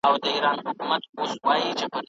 ولي کندهار کي د صنعت ملاتړ ضروري دی؟